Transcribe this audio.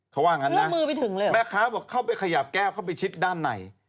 เขาว่างั้นนะแม่ค้าบอกเข้าไปขยับแก้วเข้าไปชิดด้านใน